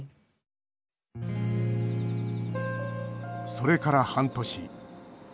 それから半年。